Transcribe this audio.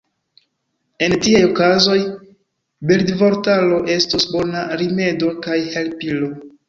En tiaj okazoj, bildvortaro estus bona rimedo kaj helpilo.